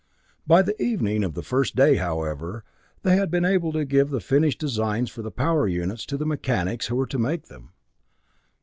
By the evening of the first day, however, they had been able to give the finished designs for the power units to the mechanics who were to make them.